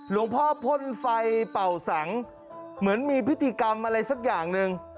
พ่อพ่นไฟเป่าสังเหมือนมีพิธีกรรมอะไรสักอย่างหนึ่ง